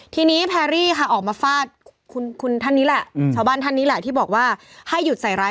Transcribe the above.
ทีนี้แพรรี่าออกมาฟาดดรวมที่บอกว่าให้หยุดใส่ร้าย